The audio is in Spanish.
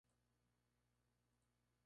Anotó un gol en su debut.